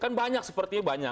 kan banyak sepertinya banyak